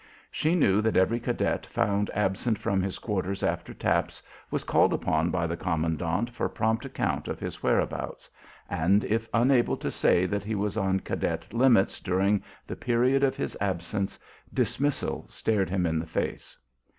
She knew that every cadet found absent from his quarters after taps was called upon by the commandant for prompt account of his whereabouts, and if unable to say that he was on cadet limits during the period of his absence, dismissal stared him in the face.